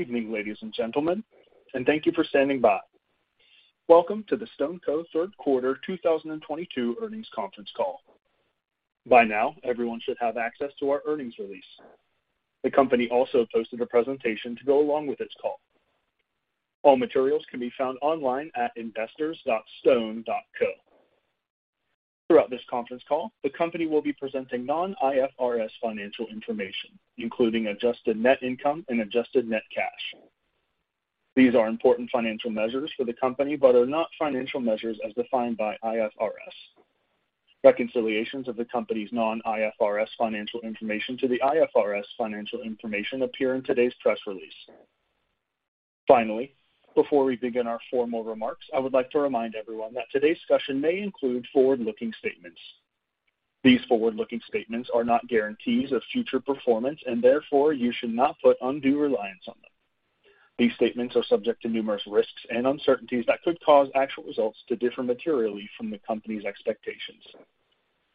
Good evening, ladies and gentlemen, and thank you for standing by. Welcome to the StoneCo third quarter 2022 earnings conference call. By now, everyone should have access to our earnings release. The company also posted a presentation to go along with its call. All materials can be found online at investors.stone.co. Throughout this conference call, the company will be presenting non-IFRS financial information, including adjusted net income and adjusted net cash. These are important financial measures for the company, but are not financial measures as defined by IFRS. Reconciliations of the company's non-IFRS financial information to the IFRS financial information appear in today's press release. Finally, before we begin our formal remarks, I would like to remind everyone that today's discussion may include forward-looking statements. These forward-looking statements are not guarantees of future performance, and therefore you should not put undue reliance on them. These statements are subject to numerous risks and uncertainties that could cause actual results to differ materially from the company's expectations.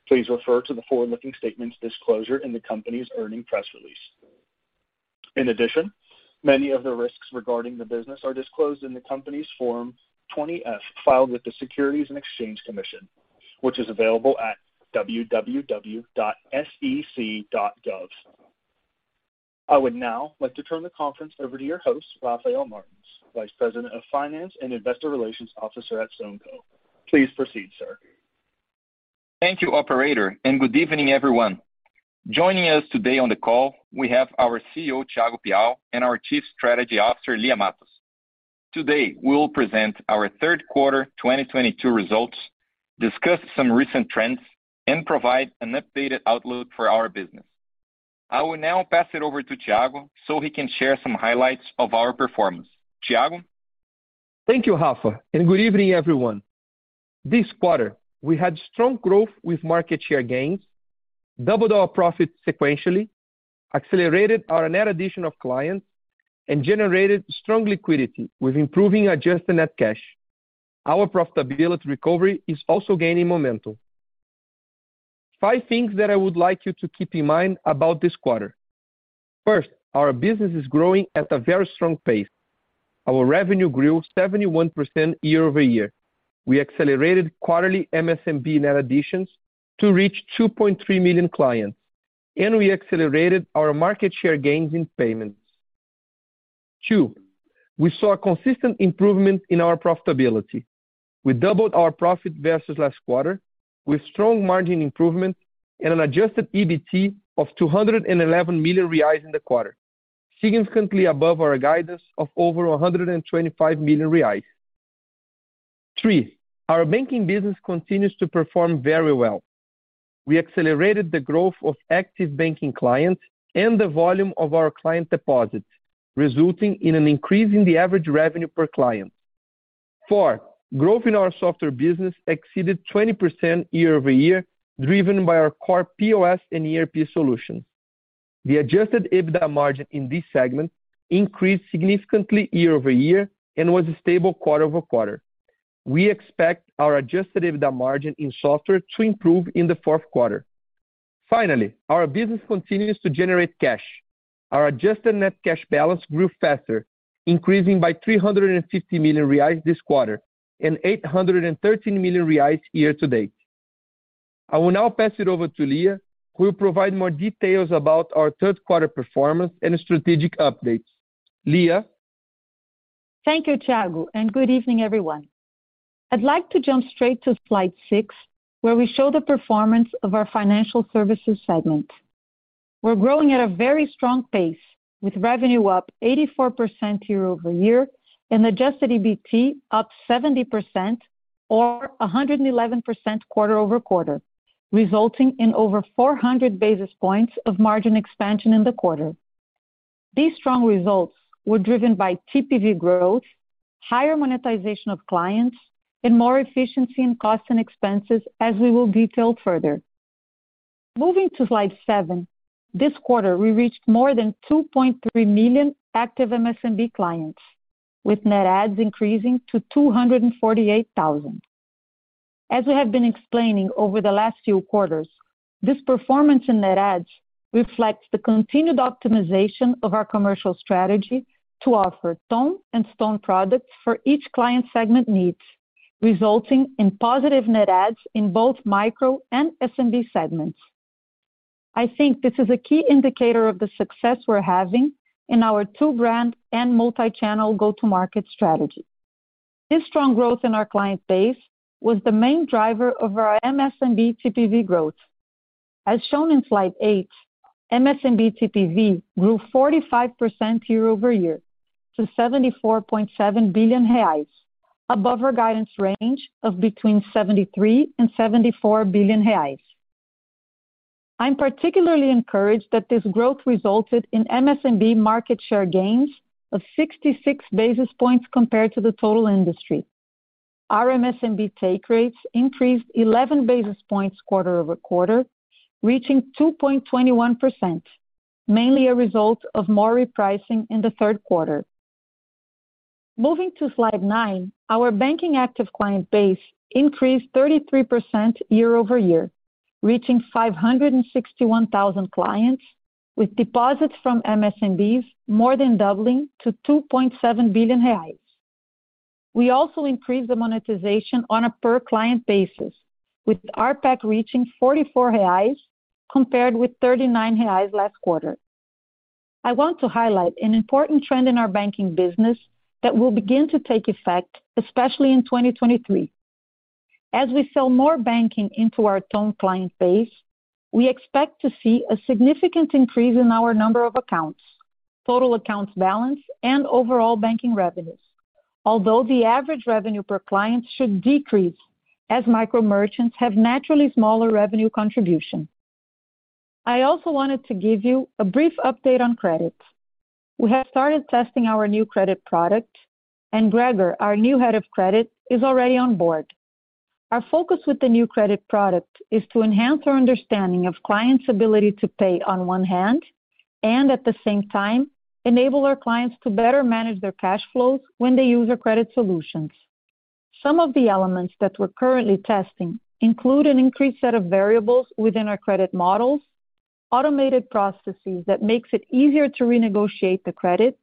Please refer to the forward-looking statements disclosure in the company's earnings press release. In addition, many of the risks regarding the business are disclosed in the company's Form 20-F filed with the Securities and Exchange Commission, which is available at www.sec.gov. I would now like to turn the conference over to your host, Rafael Martins, Vice President of Finance and Investor Relations Officer at StoneCo. Please proceed, sir. Thank you, operator, and good evening, everyone. Joining us today on the call we have our CEO, Thiago Piau, and our Chief Strategy Officer, Lia Matos. Today, we will present our third quarter 2022 results, discuss some recent trends, and provide an updated outlook for our business. I will now pass it over to Thiago so he can share some highlights of our performance. Thiago. Thank you, Rafa, and good evening, everyone. This quarter, we had strong growth with market share gains, doubled our profits sequentially, accelerated our net addition of clients, and generated strong liquidity with improving adjusted net cash. Our profitability recovery is also gaining momentum. Five things that I would like you to keep in mind about this quarter. First, our business is growing at a very strong pace. Our revenue grew 71% year-over-year. We accelerated quarterly MSMB net additions to reach 2.3 million clients, and we accelerated our market share gains in payments. Two, we saw a consistent improvement in our profitability. We doubled our profit versus last quarter with strong margin improvement and an adjusted EBT of 211 million reais in the quarter, significantly above our guidance of over 125 million reais. Three, our banking business continues to perform very well. We accelerated the growth of active banking clients and the volume of our client deposits, resulting in an increase in the average revenue per client. Four, growth in our software business exceeded 20% year-over-year, driven by our core POS and ERP solutions. The adjusted EBITDA margin in this segment increased significantly year-over-year and was a stable quarter-over-quarter. We expect our adjusted EBITDA margin in software to improve in the fourth quarter. Finally, our business continues to generate cash. Our adjusted net cash balance grew faster, increasing by 350 million reais this quarter and 813 million reais year-to-date. I will now pass it over to Lia who will provide more details about our third quarter performance and strategic updates. Lia. Thank you, Thiago, and good evening, everyone. I'd like to jump straight to slide six, where we show the performance of our financial services segment. We're growing at a very strong pace, with revenue up 84% year-over-year and adjusted EBT up 70% or 111% quarter-over-quarter, resulting in over 400 basis points of margin expansion in the quarter. These strong results were driven by TPV growth, higher monetization of clients, and more efficiency in costs and expenses, as we will detail further. Moving to slide seven. This quarter, we reached more than 2.3 million active MSMB clients, with net adds increasing to 248,000. As we have been explaining over the last few quarters, this performance in net adds reflects the continued optimization of our commercial strategy to offer Stone and Ton products for each client segment needs, resulting in positive net adds in both micro and SMB segments. I think this is a key indicator of the success we're having in our two-brand and multi-channel go-to-market strategy. This strong growth in our client base was the main driver of our MSMB TPV growth. As shown in slide eight, MSMB TPV grew 45% year-over-year to 74.7 billion reais, above our guidance range of between 73 billion and 74 billion reais. I'm particularly encouraged that this growth resulted in MSMB market share gains of 66 basis points compared to the total industry. Our MSMB take rates increased 11 basis points quarter-over-quarter, reaching 2.21%, mainly a result of more repricing in the third quarter. Moving to slide nine, our banking active client base increased 33% year-over-year, reaching 561,000 clients with deposits from MSMBs more than doubling to 2.7 billion reais. We also increased the monetization on a per-client basis with RPAC reaching 44 reais compared with 39 reais last quarter. I want to highlight an important trend in our banking business that will begin to take effect, especially in 2023. As we sell more banking into our Ton client base, we expect to see a significant increase in our number of accounts, total accounts balance, and overall banking revenues. Although the average revenue per client should decrease as micro merchants have naturally smaller revenue contribution. I also wanted to give you a brief update on credit. We have started testing our new credit product, and Gregor, our new Head of Credit, is already on board. Our focus with the new credit product is to enhance our understanding of clients' ability to pay on one hand, and at the same time, enable our clients to better manage their cash flows when they use our credit solutions. Some of the elements that we're currently testing include an increased set of variables within our credit models, automated processes that makes it easier to renegotiate the credit,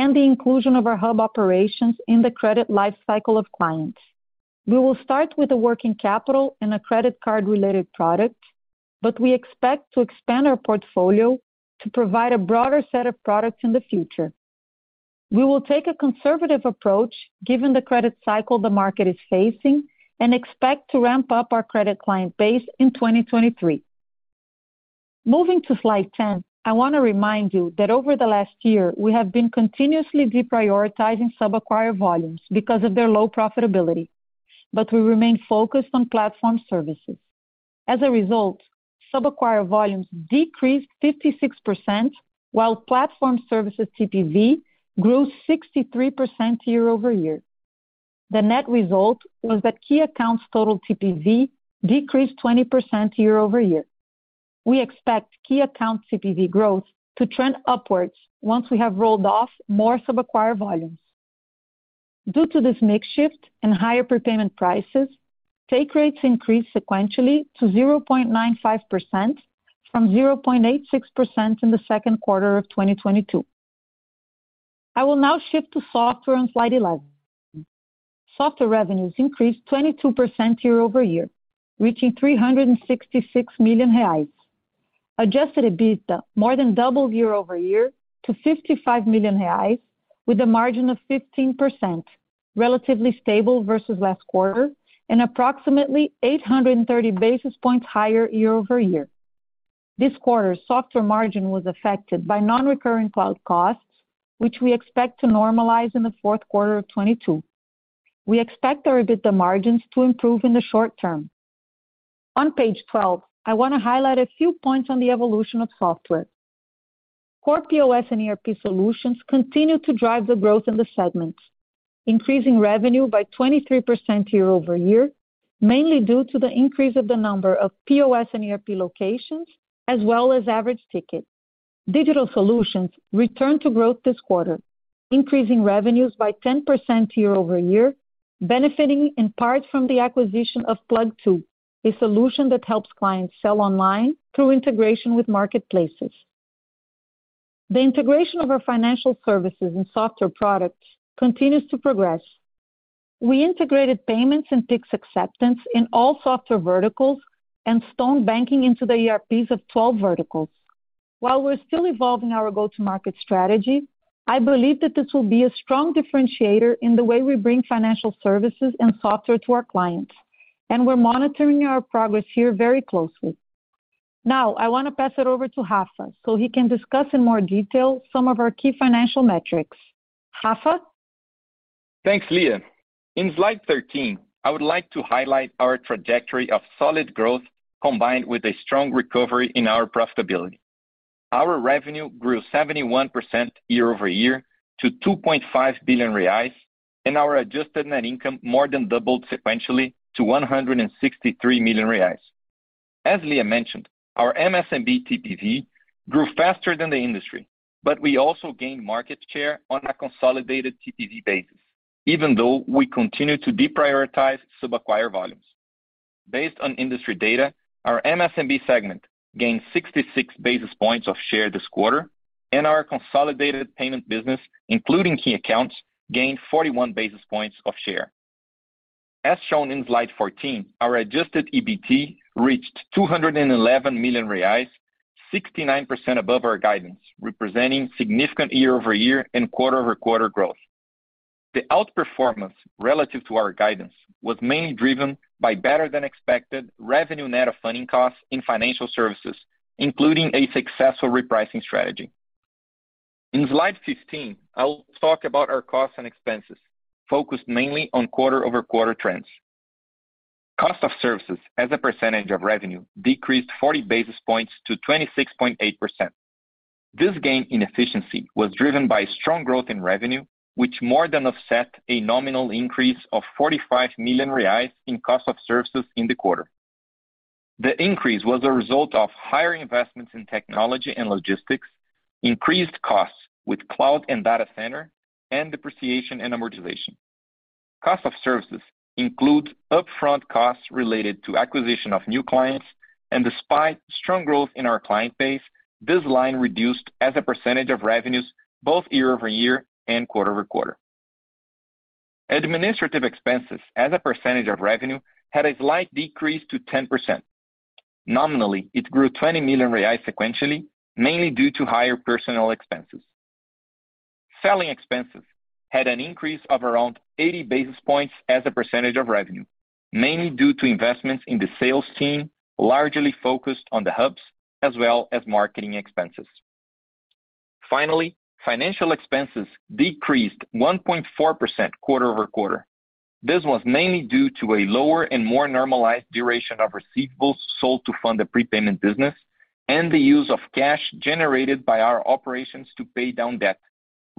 and the inclusion of our hub operations in the credit life cycle of clients. We will start with a working capital and a credit card related product, but we expect to expand our portfolio to provide a broader set of products in the future. We will take a conservative approach given the credit cycle the market is facing, and expect to ramp up our credit client base in 2023. Moving to slide 10, I want to remind you that over the last year we have been continuously deprioritizing sub-acquirer volumes because of their low profitability, but we remain focused on platform services. As a result, sub-acquirer volumes decreased 56% while platform services TPV grew 63% year-over-year. The net result was that key accounts total TPV decreased 20% year-over-year. We expect key account TPV growth to trend upwards once we have rolled off more sub-acquirer volumes. Due to this mix shift and higher prepayment prices, take rates increased sequentially to 0.95% from 0.86% in the second quarter of 2022. I will now shift to software on slide 11. Software revenues increased 22% year-over-year, reaching 366 million reais. Adjusted EBITDA more than doubled year-over-year to 55 million reais with a margin of 15%, relatively stable versus last quarter and approximately 830 basis points higher year-over-year. This quarter's software margin was affected by non-recurring cloud costs, which we expect to normalize in the fourth quarter of 2022. We expect our EBITDA margins to improve in the short-term. On page 12, I want to highlight a few points on the evolution of software. Core POS and ERP solutions continue to drive the growth in the segments, increasing revenue by 23% year-over-year, mainly due to the increase of the number of POS and ERP locations, as well as average ticket. Digital solutions returned to growth this quarter, increasing revenues by 10% year-over-year, benefiting in part from the acquisition of Plugg.To, a solution that helps clients sell online through integration with marketplaces. The integration of our financial services and software products continues to progress. We integrated payments and Pix acceptance in all software verticals and Stone Bank into the ERPs of 12 verticals. While we're still evolving our go-to-market strategy, I believe that this will be a strong differentiator in the way we bring financial services and software to our clients, and we're monitoring our progress here very closely. Now I want to pass it over to Rafa so he can discuss in more detail some of our key financial metrics. Rafa? Thanks, Lia. In slide 13, I would like to highlight our trajectory of solid growth combined with a strong recovery in our profitability. Our revenue grew 71% year-over-year to 2.5 billion reais, and our adjusted net income more than doubled sequentially to 163 million reais. As Lia mentioned, our MSMB TPV grew faster than the industry, but we also gained market share on a consolidated TPV basis, even though we continue to deprioritize sub-acquirer volumes. Based on industry data, our MSMB segment gained 66 basis points of share this quarter, and our consolidated payment business, including key accounts, gained 41 basis points of share. As shown in slide 14, our adjusted EBT reached 211 million reais, 69% above our guidance, representing significant year-over-year and quarter-over-quarter growth. The outperformance relative to our guidance was mainly driven by better-than-expected revenue net of funding costs in financial services, including a successful repricing strategy. In slide 15, I will talk about our costs and expenses, focused mainly on quarter-over-quarter trends. Cost of services as a percentage of revenue decreased 40 basis points to 26.8%. This gain in efficiency was driven by strong growth in revenue, which more than offset a nominal increase of 45 million reais in cost of services in the quarter. The increase was a result of higher investments in technology and logistics, increased costs with cloud and data center, and depreciation and amortization. Cost of services include upfront costs related to acquisition of new clients, and despite strong growth in our client base, this line reduced as a percentage of revenues both year-over-year and quarter-over-quarter. Administrative expenses as a percentage of revenue had a slight decrease to 10%. Nominally, it grew 20 million reais sequentially, mainly due to higher personnel expenses. Selling expenses had an increase of around 80 basis points as a percentage of revenue, mainly due to investments in the sales team, largely focused on the hubs as well as marketing expenses. Finally, financial expenses decreased 1.4% quarter-over-quarter. This was mainly due to a lower and more normalized duration of receivables sold to fund the prepayment business and the use of cash generated by our operations to pay down debt,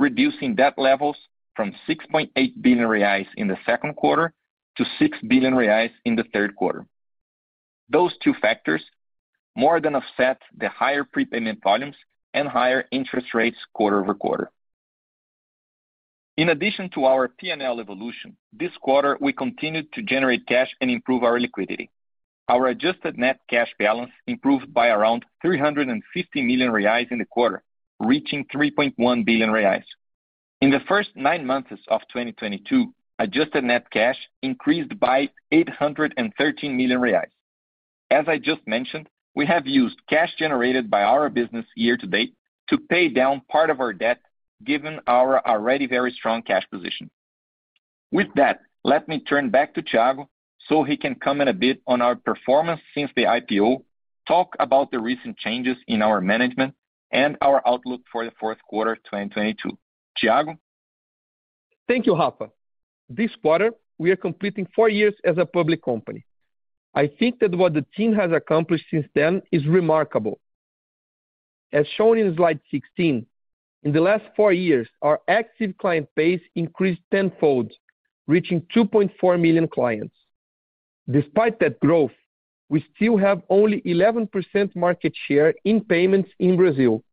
reducing debt levels from 6.8 billion reais in the second quarter to 6 billion reais in the third quarter. Those two factors more than offset the higher prepayment volumes and higher interest rates quarter-over-quarter. In addition to our P&L evolution, this quarter we continued to generate cash and improve our liquidity. Our adjusted net cash balance improved by around 350 million reais in the quarter, reaching 3.1 billion reais. In the first nine months of 2022, adjusted net cash increased by 813 million reais. As I just mentioned, we have used cash generated by our business year to date to pay down part of our debt given our already very strong cash position. With that, let me turn back to Thiago so he can comment a bit on our performance since the IPO, talk about the recent changes in our management and our outlook for the fourth quarter 2022. Thiago. Thank you, Rafa. This quarter, we are completing four years as a public company. I think that what the team has accomplished since then is remarkable. As shown in slide 16, in the last four years, our active client base increased tenfold, reaching 2.4 million clients. Despite that growth, we still have only 11% market share in payments in Brazil,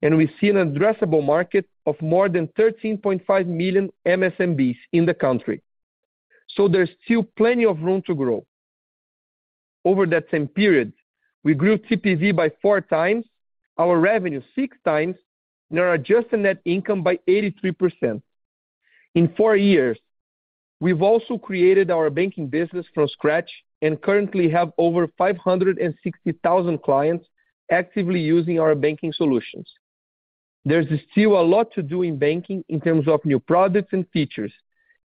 and we see an addressable market of more than 13.5 million MSMBs in the country. There's still plenty of room to grow. Over that same period, we grew TPV by 4x, our revenue 6x, and our adjusted net income by 83%. In four years, we've also created our banking business from scratch and currently have over 560,000 clients actively using our banking solutions. There's still a lot to do in banking in terms of new products and features,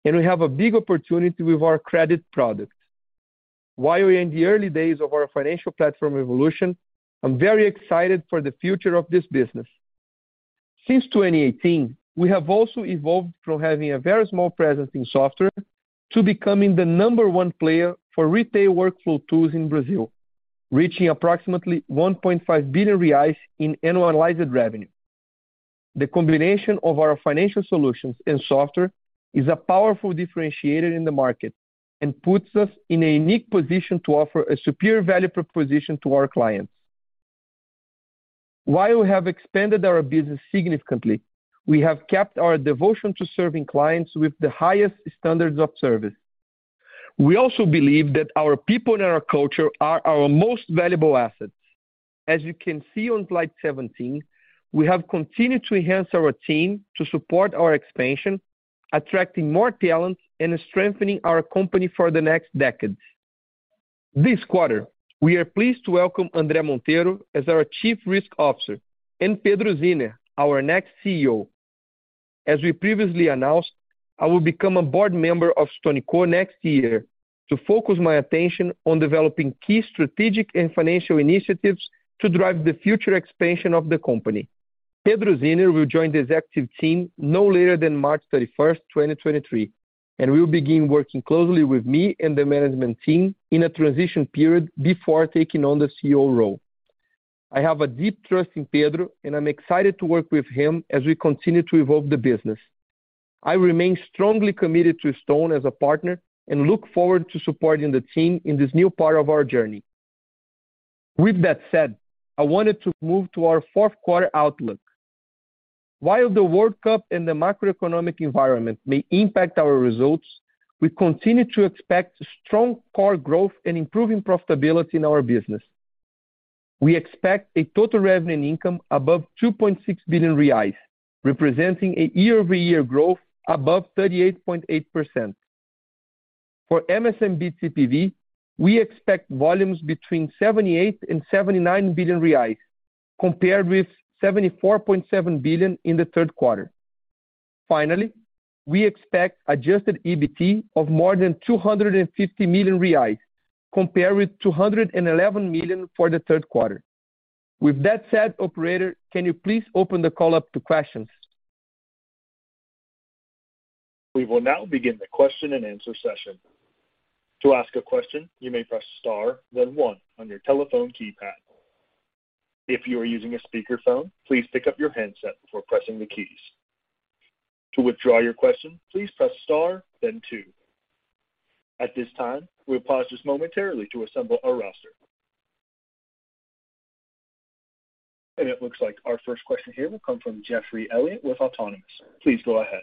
and we have a big opportunity with our credit products. While we're in the early days of our financial platform evolution, I'm very excited for the future of this business. Since 2018, we have also evolved from having a very small presence in software to becoming the number one player for retail workflow tools in Brazil, reaching approximately 1.5 billion reais in annualized revenue. The combination of our financial solutions and software is a powerful differentiator in the market and puts us in a unique position to offer a superior value proposition to our clients. While we have expanded our business significantly, we have kept our devotion to serving clients with the highest standards of service. We also believe that our people and our culture are our most valuable assets. As you can see on slide 17, we have continued to enhance our team to support our expansion, attracting more talent, and strengthening our company for the next decade. This quarter, we are pleased to welcome Andre Monteiro as our Chief Risk Officer and Pedro Zinner, our next CEO. As we previously announced, I will become a Board Member of StoneCo next year to focus my attention on developing key strategic and financial initiatives to drive the future expansion of the company. Pedro Zinner will join the executive team no later than March 31st, 2023, and will begin working closely with me and the management team in a transition period before taking on the CEO role. I have a deep trust in Pedro, and I'm excited to work with him as we continue to evolve the business. I remain strongly committed to Stone as a partner and look forward to supporting the team in this new part of our journey. With that said, I wanted to move to our fourth quarter outlook. While the World Cup and the macroeconomic environment may impact our results, we continue to expect strong core growth and improving profitability in our business. We expect a total revenue income above 2.6 billion reais, representing a year-over-year growth above 38.8%. For MSMB TPV, we expect volumes between 78 billion and 79 billion reais, compared with 74.7 billion in the third quarter. Finally, we expect adjusted EBT of more than 250 million reais, compared with 211 million for the third quarter. With that said, operator, can you please open the call up to questions? We will now begin the question-and-answer session. To ask a question, you may press star then one on your telephone keypad. If you are using a speakerphone, please pick up your handset before pressing the keys. To withdraw your question, please press star then two. At this time, we'll pause just momentarily to assemble our roster. It looks like our first question here will come from Geoffrey Elliott with Autonomous. Please go ahead.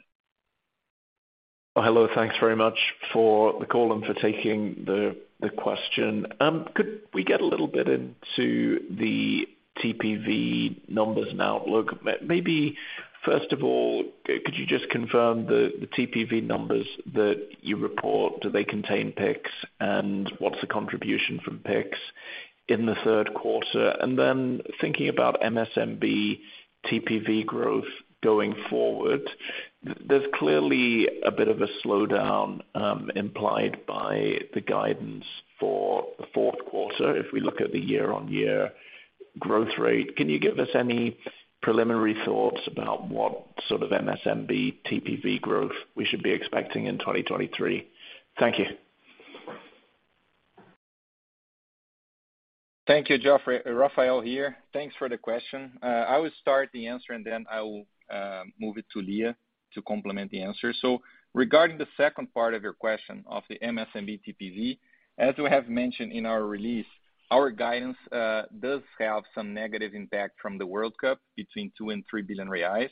Hello. Thanks very much for the call and for taking the question. Could we get a little bit into the TPV numbers and outlook? Maybe first of all, could you just confirm the TPV numbers that you report, do they contain Pix? And what's the contribution from Pix in the third quarter? And then thinking about MSMB TPV growth going forward, there's clearly a bit of a slowdown implied by the guidance for the fourth quarter if we look at the year-on-year growth rate. Can you give us any preliminary thoughts about what sort of MSMB TPV growth we should be expecting in 2023? Thank you. Thank you, Geoffrey. Rafael here. Thanks for the question. I will start the answer and then I will move it to Lia to complement the answer. Regarding the second part of your question of the MSMB TPV, as we have mentioned in our release, our guidance does have some negative impact from the World Cup between 2 billion and 3 billion reais.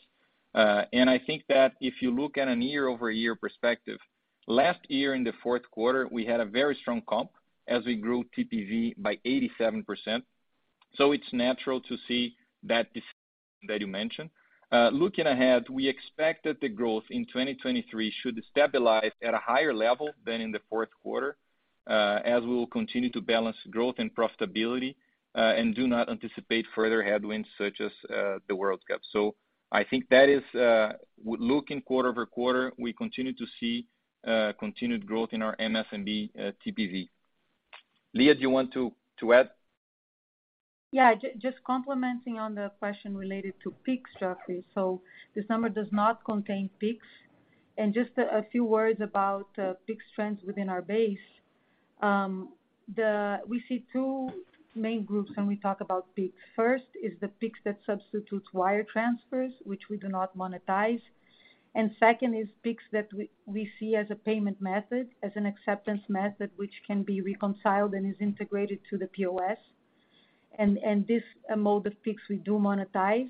I think that if you look at a year-over-year perspective, last year in the fourth quarter, we had a very strong comp as we grew TPV by 87%. It's natural to see that decline that you mentioned. Looking ahead, we expect that the growth in 2023 should stabilize at a higher level than in the fourth quarter as we will continue to balance growth and profitability and do not anticipate further headwinds such as the World Cup. I think, looking quarter-over-quarter, we continue to see continued growth in our MSMB TPV. Lia, do you want to add? Yeah, just complementing on the question related to Pix, Geoffrey. This number does not contain Pix. Just a few words about Pix trends within our base. We see two main groups when we talk about Pix. First is the Pix that substitutes wire transfers, which we do not monetize. Second is Pix that we see as a payment method, as an acceptance method, which can be reconciled and is integrated to the POS. This mode of Pix we do monetize.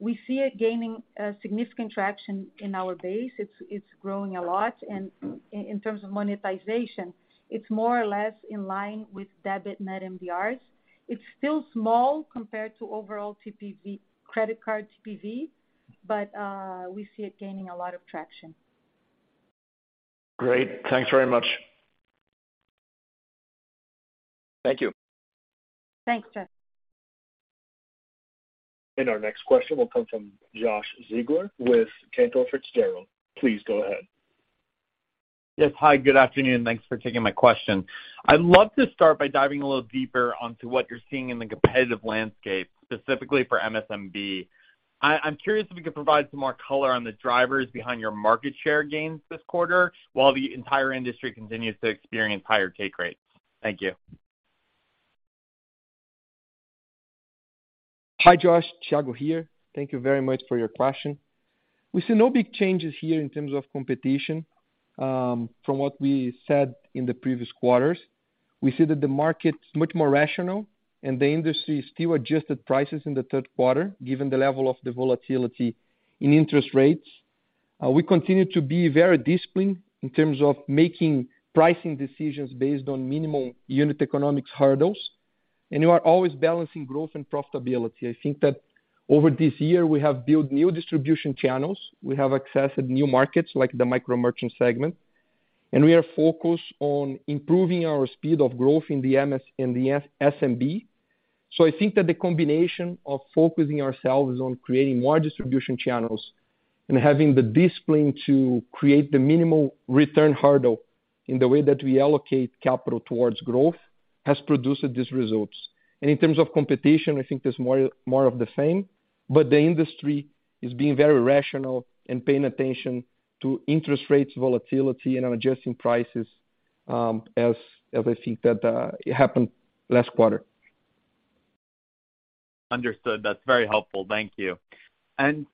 We see it gaining significant traction in our base. It's growing a lot. In terms of monetization, it's more or less in line with debit net MDRs. It's still small compared to overall credit card TPV, but we see it gaining a lot of traction. Great. Thanks very much. Thank you. Thanks, Geoffrey. Our next question will come from Josh Siegler with Cantor Fitzgerald. Please go ahead. Yes. Hi, good afternoon. Thanks for taking my question. I'd love to start by diving a little deeper onto what you're seeing in the competitive landscape, specifically for MSMB. I'm curious if you could provide some more color on the drivers behind your market share gains this quarter while the entire industry continues to experience higher take rates. Thank you. Hi, Josh. Thiago here. Thank you very much for your question. We see no big changes here in terms of competition from what we said in the previous quarters. We see that the market's much more rational and the industry still adjusted prices in the third quarter given the level of the volatility in interest rates. We continue to be very disciplined in terms of making pricing decisions based on minimum unit economics hurdles. We are always balancing growth and profitability. I think that over this year we have built new distribution channels. We have accessed new markets like the micro merchant segment, and we are focused on improving our speed of growth in the SMB. I think that the combination of focusing ourselves on creating more distribution channels and having the discipline to create the minimal return hurdle in the way that we allocate capital towards growth has produced these results. In terms of competition, I think there's more of the same, but the industry is being very rational and paying attention to interest rates volatility and on adjusting prices as I think that it happened last quarter. Understood. That's very helpful. Thank you.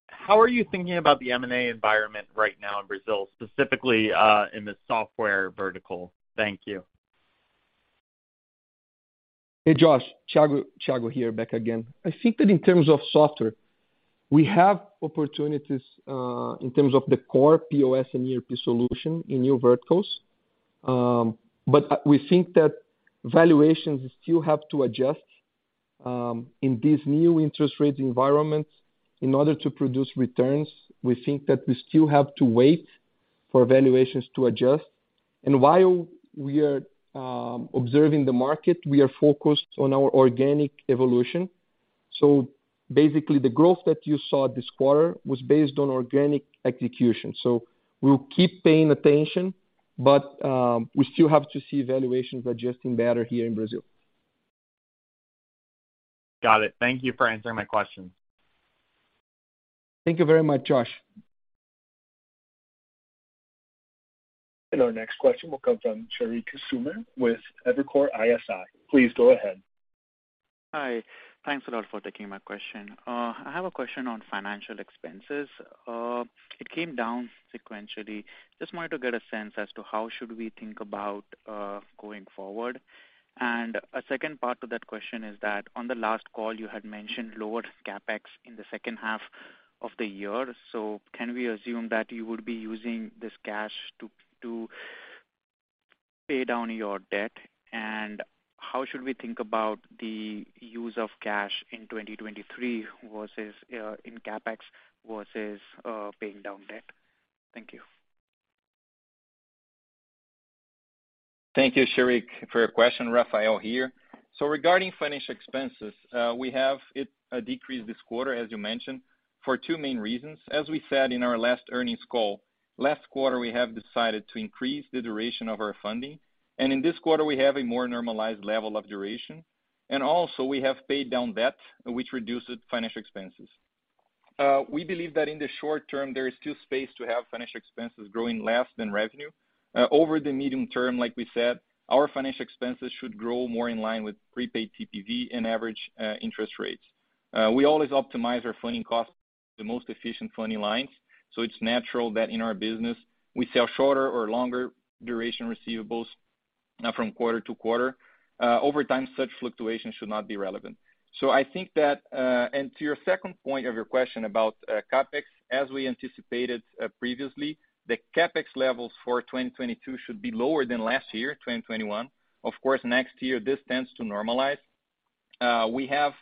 How are you thinking about the M&A environment right now in Brazil, specifically in the software vertical? Thank you. Hey, Josh. Thiago here back again. I think that in terms of software, we have opportunities in terms of the core POS and ERP solution in new verticals. We think that valuations still have to adjust in this new interest rate environment in order to produce returns. We think that we still have to wait for valuations to adjust. While we are observing the market, we are focused on our organic evolution. Basically the growth that you saw this quarter was based on organic execution. We'll keep paying attention, but we still have to see valuations adjusting better here in Brazil. Got it. Thank you for answering my questions. Thank you very much, Josh. Our next question will come from Sheriq Sumar with Evercore ISI. Please go ahead. Hi. Thanks a lot for taking my question. I have a question on financial expenses. It came down sequentially. Just wanted to get a sense as to how should we think about going forward. A second part to that question is that on the last call you had mentioned lower CapEx in the second half of the year. Can we assume that you would be using this cash to pay down your debt? How should we think about the use of cash in 2023 versus in CapEx versus paying down debt? Thank you. Thank you, Sheriq, for your question. Rafael here. Regarding financial expenses, we have it decreased this quarter, as you mentioned, for two main reasons. As we said in our last earnings call, last quarter we have decided to increase the duration of our funding, and in this quarter we have a more normalized level of duration. Also we have paid down debt, which reduces financial expenses. We believe that in the short-term there is still space to have financial expenses growing less than revenue. Over the medium-term, like we said, our financial expenses should grow more in line with prepaid TPV and average interest rates. We always optimize our funding costs the most efficient funding lines, so it's natural that in our business we sell shorter or longer duration receivables from quarter to quarter. Over time, such fluctuations should not be relevant. I think that to your second point of your question about CapEx, as we anticipated previously, the CapEx levels for 2022 should be lower than last year, 2021. Of course, next year this tends to normalize. We have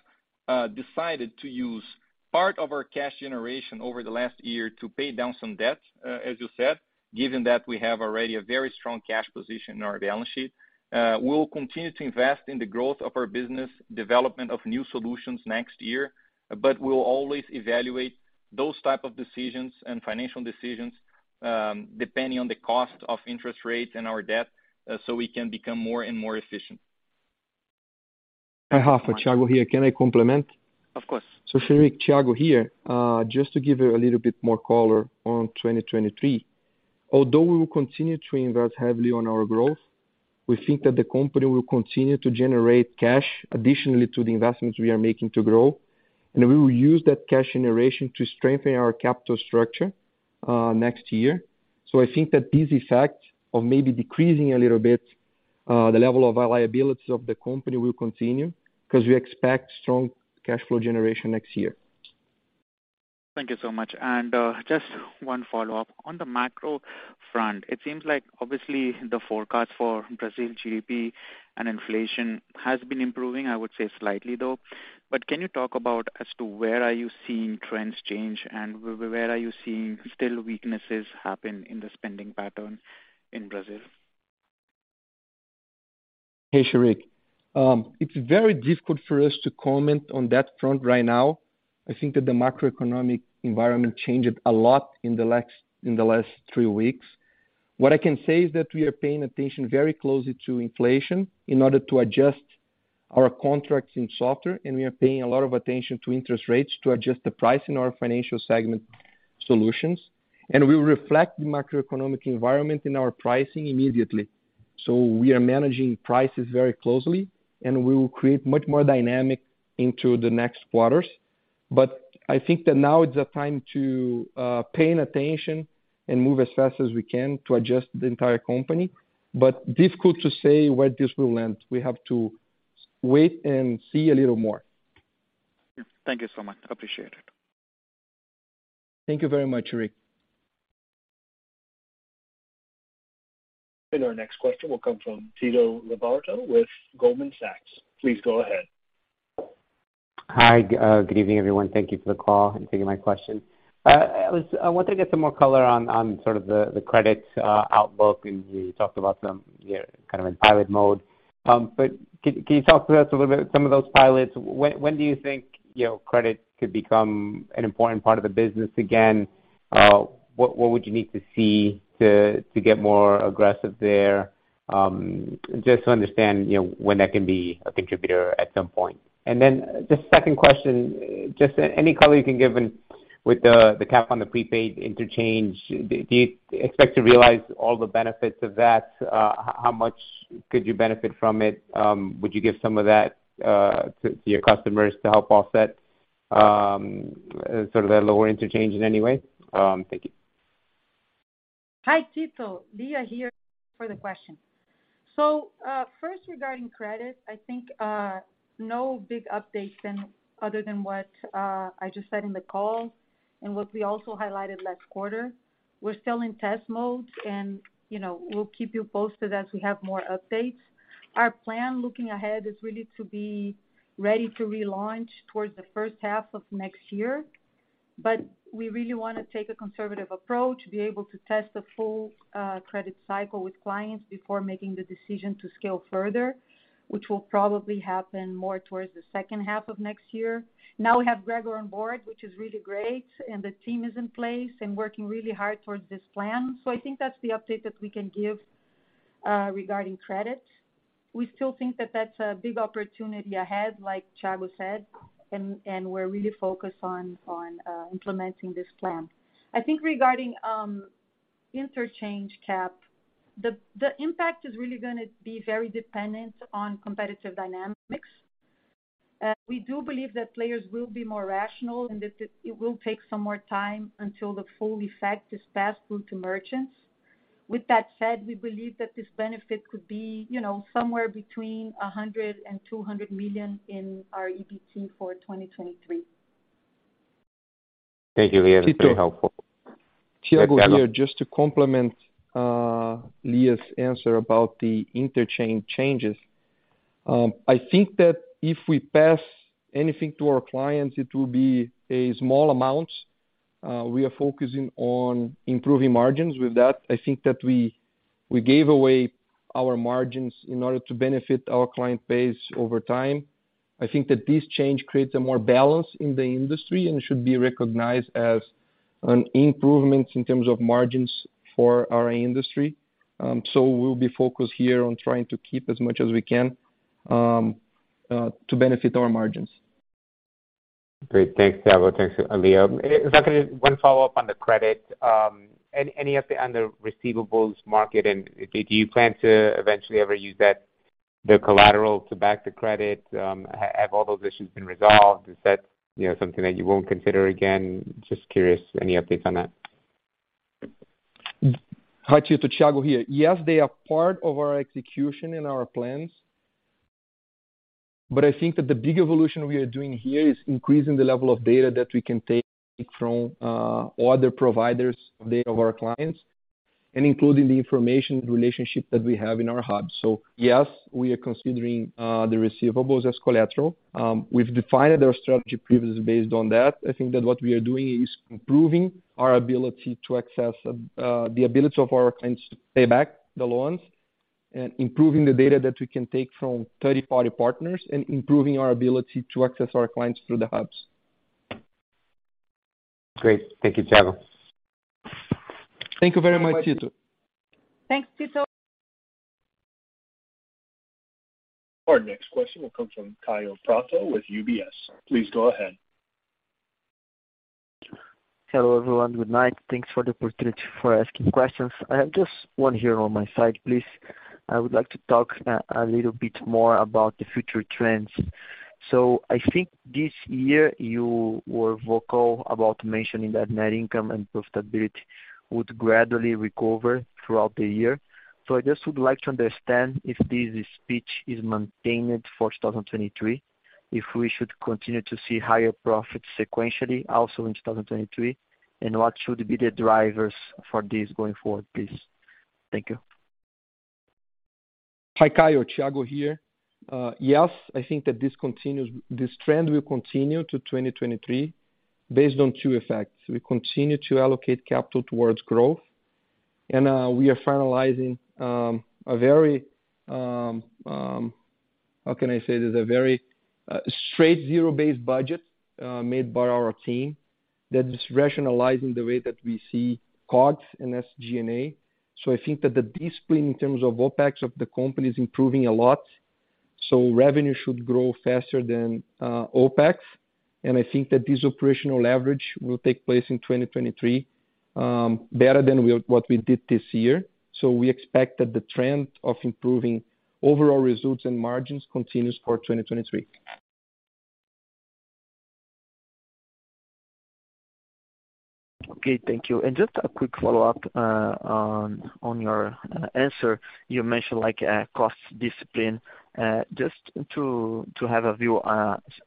decided to use part of our cash generation over the last year to pay down some debt, as you said, given that we have already a very strong cash position in our balance sheet. We'll continue to invest in the growth of our business development of new solutions next year, but we'll always evaluate those type of decisions and financial decisions, depending on the cost of interest rates and our debt, so we can become more and more efficient. Hi, Rafael. Thiago here. Can I complement? Of course. Sheriq, Thiago here. Just to give you a little bit more color on 2023. Although we will continue to invest heavily on our growth, we think that the company will continue to generate cash additionally to the investments we are making to grow, and we will use that cash generation to strengthen our capital structure next year. I think that this effect of maybe decreasing a little bit the level of liabilities of the company will continue because we expect strong cash flow generation next year. Thank you so much. Just one follow-up. On the macro front, it seems like obviously the forecast for Brazil GDP and inflation has been improving, I would say slightly though, but can you talk about as to where are you seeing trends change and where are you seeing still weaknesses happen in the spending pattern in Brazil? Hey, Sheriq. It's very difficult for us to comment on that front right now. I think that the macroeconomic environment changed a lot in the last three weeks. What I can say is that we are paying attention very closely to inflation in order to adjust our contracts in software, and we are paying a lot of attention to interest rates to adjust the pricing in our financial segment solutions. We will reflect the macroeconomic environment in our pricing immediately. We are managing prices very closely, and we will create much more dynamic into the next quarters. I think that now is the time to paying attention and move as fast as we can to adjust the entire company. Difficult to say where this will land. We have to wait and see a little more. Thank you so much. Appreciate it. Thank you very much, Sheriq. Our next question will come from Tito Labarta with Goldman Sachs. Please go ahead. Hi. Good evening, everyone. Thank you for the call and taking my question. I wanted to get some more color on sort of the credit outlook, and you talked about them, you're kind of in pilot mode. Can you talk to us a little bit some of those pilots? When do you think, you know, credit could become an important part of the business again? What would you need to see to get more aggressive there? Just to understand, you know, when that can be a contributor at some point. The second question, just any color you can give in with the cap on the prepaid interchange. Do you expect to realize all the benefits of that? How much could you benefit from it? Would you give some of that to your customers to help offset sort of that lower interchange in any way? Thank you. Hi, Tito. Lia here for the question. First regarding credit, I think no big updates other than what I just said in the call and what we also highlighted last quarter. We're still in test mode and, you know, we'll keep you posted as we have more updates. Our plan looking ahead is really to be ready to relaunch towards the first half of next year, but we really want to take a conservative approach, be able to test the full credit cycle with clients before making the decision to scale further, which will probably happen more towards the second half of next year. Now we have Gregor on board, which is really great, and the team is in place and working really hard towards this plan. I think that's the update that we can give. Regarding credit, we still think that's a big opportunity ahead, like Thiago said, and we're really focused on implementing this plan. I think regarding interchange cap, the impact is really going to be very dependent on competitive dynamics. We do believe that players will be more rational and that it will take some more time until the full effect is passed through to merchants. With that said, we believe that this benefit could be, you know, somewhere between 100 million and 200 million in our EBT for 2023. Thank you, Lia. That's very helpful. Tito. Thiago here. Just to complement Lia's answer about the interchange changes, I think that if we pass anything to our clients, it will be a small amount. We are focusing on improving margins with that. I think that we gave away our margins in order to benefit our client base over time. I think that this change creates a more balance in the industry and should be recognized as an improvement in terms of margins for our industry. We'll be focused here on trying to keep as much as we can to benefit our margins. Great. Thanks, Thiago. Thanks, Lia. One follow-up on the credit. Any update on the receivables market, and do you plan to eventually ever use that, the collateral to back the credit? Have all those issues been resolved? Is that, you know, something that you won't consider again? Just curious. Any updates on that? Hi, Tito. Thiago here. Yes, they are part of our execution and our plans. I think that the big evolution we are doing here is increasing the level of data that we can take from other providers of our clients and including the information relationship that we have in our hubs. Yes, we are considering the receivables as collateral. We've defined our strategy previously based on that. I think that what we are doing is improving our ability to access the ability of our clients to pay back the loans and improving the data that we can take from third-party partners and improving our ability to access our clients through the hubs. Great. Thank you, Thiago. Thank you very much, Tito. Thanks, Tito. Our next question will come from Kaio Prato with UBS. Please go ahead. Hello, everyone. Good night. Thanks for the opportunity for asking questions. I have just one here on my side, please. I would like to talk a little bit more about the future trends. I think this year you were vocal about mentioning that net income and profitability would gradually recover throughout the year. I just would like to understand if this speech is maintained for 2023, if we should continue to see higher profits sequentially also in 2023, and what should be the drivers for this going forward, please? Thank you. Hi, Kaio. Thiago here. Yes, I think that this trend will continue to 2023 based on two effects. We continue to allocate capital towards growth, and we are finalizing a very straight zero-based budget made by our team that is rationalizing the way that we see COGS and SG&A. I think that the discipline in terms of OpEx of the company is improving a lot. Revenue should grow faster than OpEx. I think that this operational leverage will take place in 2023 better than what we did this year. We expect that the trend of improving overall results and margins continues for 2023. Okay, thank you. Just a quick follow-up on your answer. You mentioned like cost discipline. Just to have a view,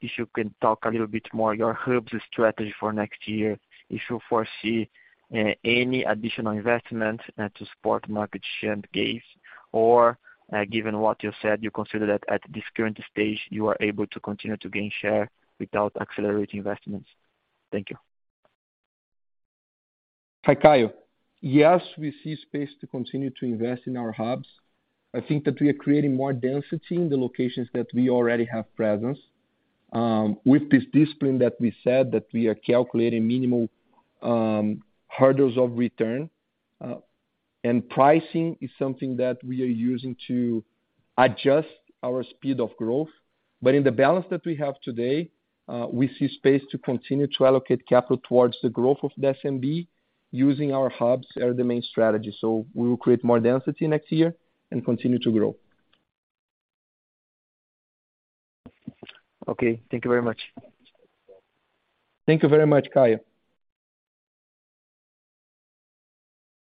if you can talk a little bit more your hubs strategy for next year, if you foresee any additional investment to support market share and gains, or given what you said, you consider that at this current stage you are able to continue to gain share without accelerating investments. Thank you. Hi, Kaio. Yes, we see space to continue to invest in our hubs. I think that we are creating more density in the locations that we already have presence, with this discipline that we said that we are calculating minimal hurdles of return. Pricing is something that we are using to adjust our speed of growth. In the balance that we have today, we see space to continue to allocate capital towards the growth of the SMB using our hubs as the main strategy. We will create more density next year and continue to grow. Okay. Thank you very much. Thank you very much, Kaio.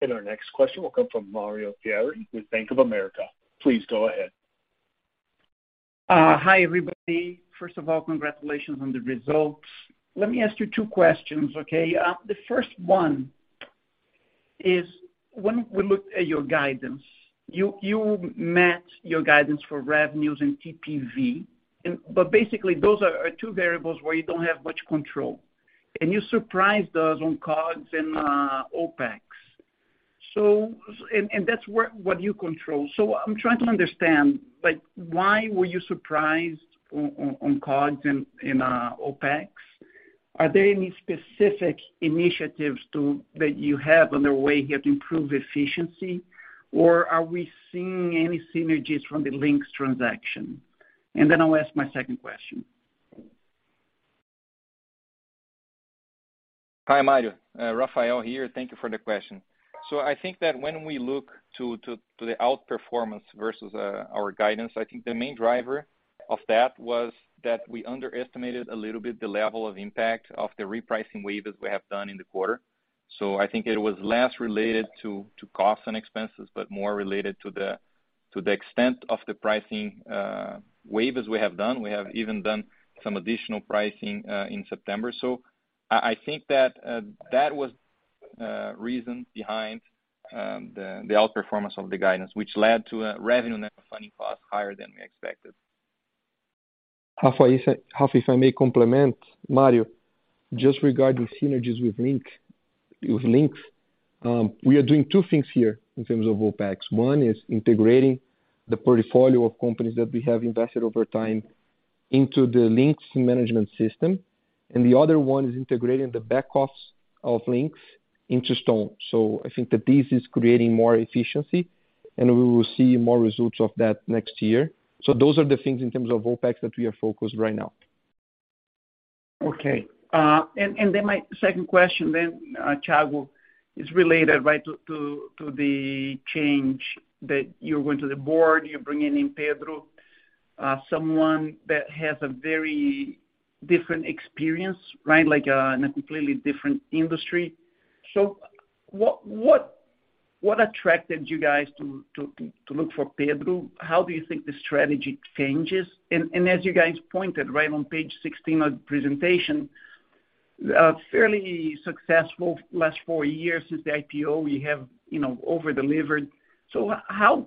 Our next question will come from Mario Pierry with Bank of America. Please go ahead. Hi, everybody. First of all, congratulations on the results. Let me ask you two questions. Okay? The first one is when we look at your guidance, you met your guidance for revenues and TPV. Basically those are two variables where you don't have much control. You surprised us on COGS and OpEx. That's what you control. I'm trying to understand, like why were you surprised on COGS and OpEx? Are there any specific initiatives that you have underway here to improve efficiency? Are we seeing any synergies from the Linx transaction? I'll ask my second question. Hi, Mario. Rafael here. Thank you for the question. I think that when we look to the outperformance versus our guidance, I think the main driver of that was that we underestimated a little bit the level of impact of the repricing waivers we have done in the quarter. I think it was less related to costs and expenses, but more related to the extent of the pricing waivers we have done. We have even done some additional pricing in September. I think that that was reason behind the outperformance of the guidance, which led to a revenue net funding cost higher than we expected. Rafael, if I may complement, Mario, just regarding synergies with Linx, we are doing two things here in terms of OpEx. One is integrating the portfolio of companies that we have invested over time into the Linx management system, and the other one is integrating the back costs of Linx into Stone. I think that this is creating more efficiency, and we will see more results of that next year. Those are the things in terms of OpEx that we are focused right now. Okay. My second question then, Thiago, is related, right, to the change that you're going to the board, you're bringing in Pedro, someone that has a very different experience, right? Like, in a completely different industry. What attracted you guys to look for Pedro? How do you think the strategy changes? As you guys pointed, right, on page 16 of the presentation, a fairly successful last four years since the IPO, you have, you know, over-delivered. How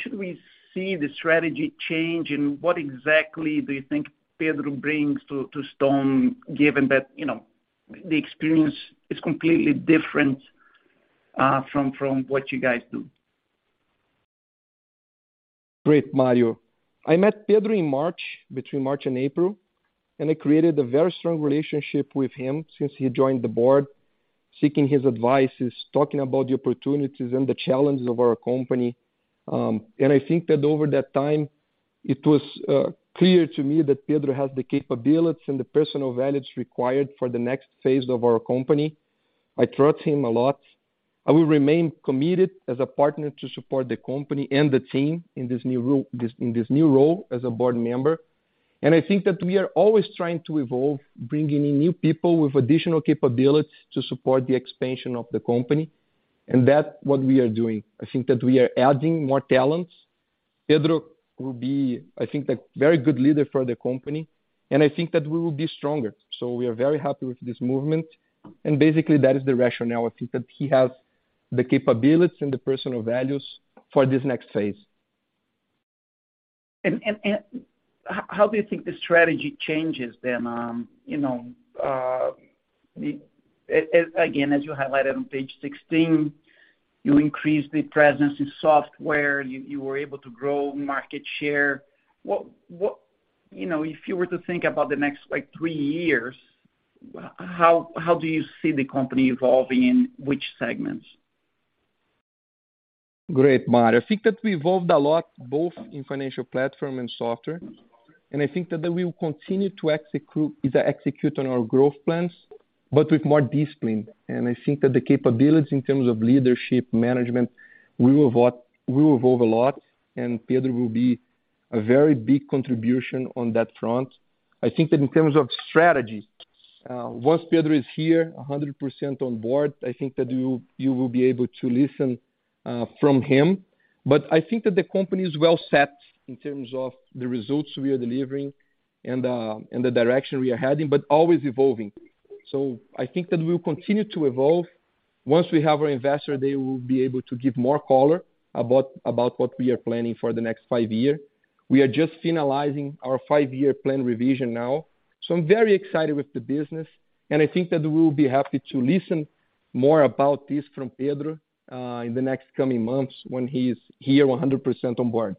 should we see the strategy change, and what exactly do you think Pedro brings to Stone, given that, you know, the experience is completely different from what you guys do? Great, Mario. I met Pedro in March, between March and April, and I created a very strong relationship with him since he joined the board, seeking his advices, talking about the opportunities and the challenges of our company. I think that over that time, it was clear to me that Pedro has the capabilities and the personal values required for the next phase of our company. I trust him a lot. I will remain committed as a partner to support the company and the team in this new role as a board member. I think that we are always trying to evolve, bringing in new people with additional capabilities to support the expansion of the company, and that what we are doing. I think that we are adding more talents. Pedro will be, I think, a very good leader for the company, and I think that we will be stronger. We are very happy with this movement. Basically that is the rationale. I think that he has the capabilities and the personal values for this next phase. How do you think the strategy changes then, you know, again, as you highlighted on page 16, you increased the presence in software, you were able to grow market share? You know, if you were to think about the next, like, three years, how do you see the company evolving in which segments? Great, Mario. I think that we evolved a lot, both in financial platform and software, and I think that they will continue to execute on our growth plans, but with more discipline. I think that the capabilities in terms of leadership management, we will evolve a lot, and Pedro will be a very big contribution on that front. I think that in terms of strategy, once Pedro is here 100% on board, I think that you will be able to listen from him. I think that the company is well set in terms of the results we are delivering and the direction we are heading, but always evolving. I think that we will continue to evolve. Once we have our Investor Day, we will be able to give more color about what we are planning for the next five year. We are just finalizing our five-year plan revision now. I'm very excited with the business, and I think that we will be happy to listen more about this from Pedro in the next coming months when he is here 100% on board.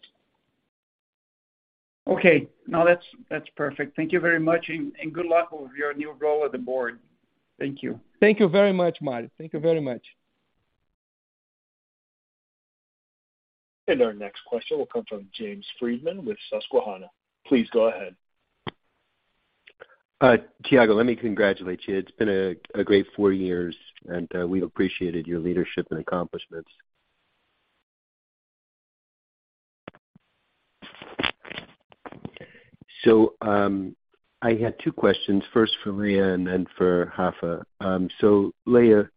Okay. No. That's perfect. Thank you very much and good luck with your new role at the Board. Thank you. Thank you very much, Mario. Thank you very much. Our next question will come from James Friedman with Susquehanna. Please go ahead. Thiago, let me congratulate you. It's been a great four years. We appreciated your leadership and accomplishments. I had two questions, first for Lia and then for Rafael. Lia,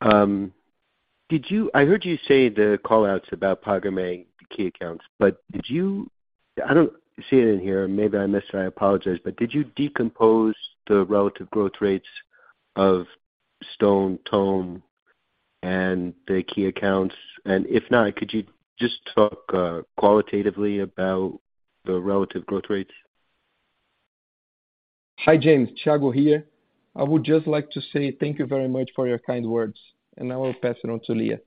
I heard you say the call-outs about PagBank, the key accounts. I don't see it in here, maybe I missed it, I apologize. Did you decompose the relative growth rates of Stone, Ton and the key accounts? If not, could you just talk qualitatively about the relative growth rates? Hi, James. Thiago here. I would just like to say thank you very much for your kind words, and I will pass it on to Lia.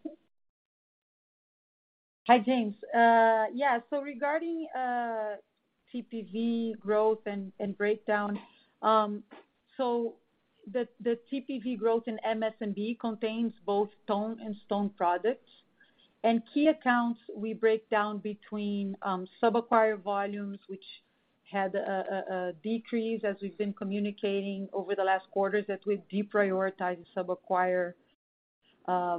Hi, James. Yeah, regarding TPV growth and breakdown. The TPV growth in MSMB contains both Ton and Stone products. Key accounts we break down between sub-acquirer volumes, which had a decrease as we've been communicating over the last quarters that we've deprioritized sub-acquirer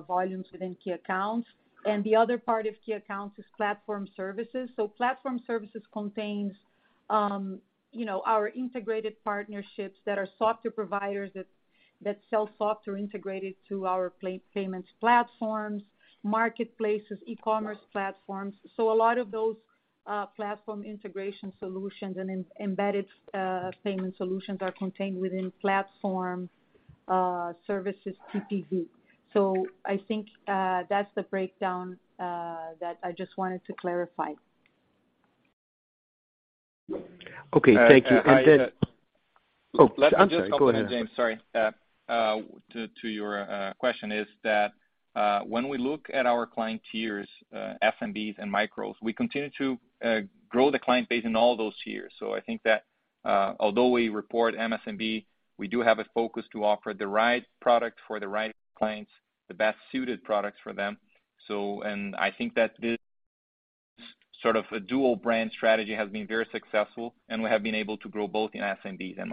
volumes within key accounts. The other part of key accounts is platform services. Platform services contains, you know, our integrated partnerships that are software providers that sell software integrated to our payments platforms, marketplaces, e-commerce platforms. A lot of those platform integration solutions and embedded payment solutions are contained within platform services TPV. I think that's the breakdown that I just wanted to clarify. Okay. Thank you. I'm sorry. Go ahead. Let me just complement, James, sorry. To your question is that when we look at our client tiers, SMBs and micros, we continue to grow the client base in all those tiers. I think that although we report MSMB, we do have a focus to offer the right product for the right clients, the best-suited products for them. I think that this sort of a dual-brand strategy has been very successful, and we have been able to grow both in SMBs and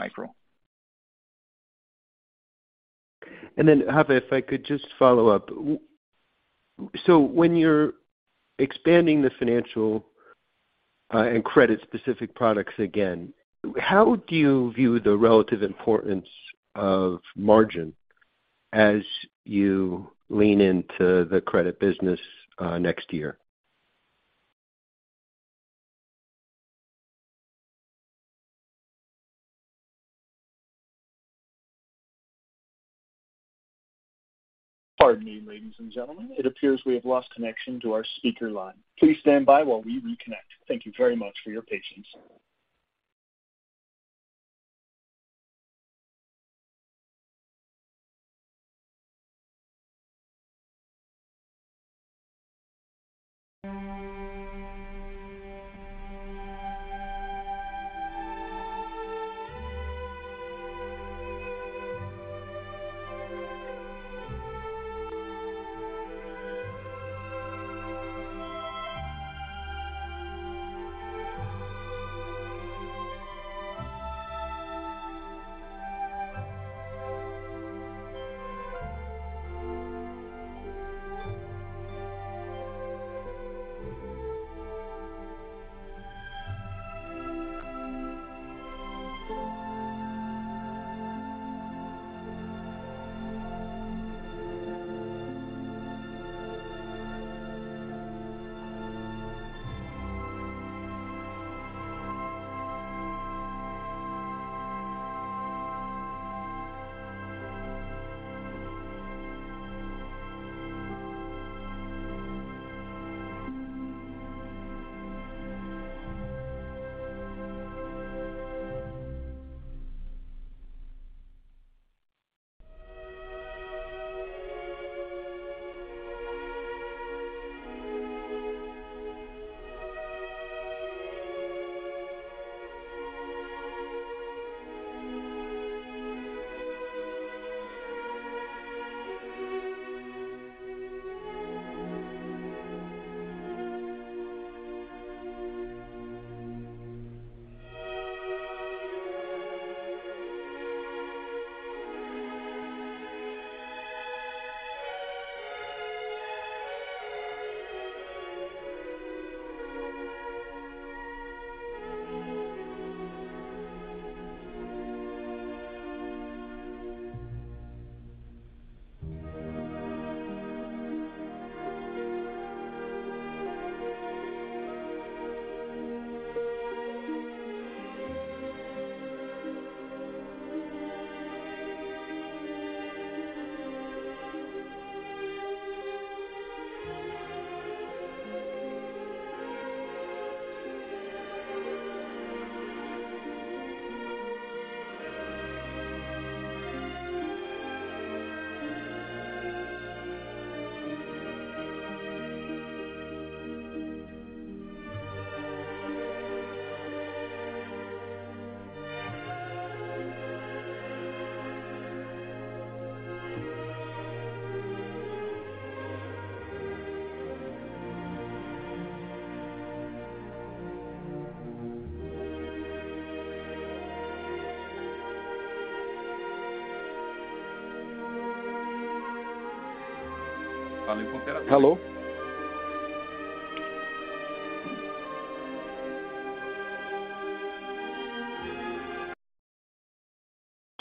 micro. Rafael, if I could just follow up. When you're expanding the financial and credit-specific products again, how do you view the relative importance of margin as you lean into the credit business next year?